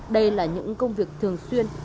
đây là những công việc thường xuyên